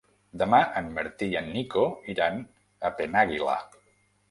Demà en Martí i en Nico iran a Penàguila.